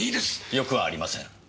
よくありません。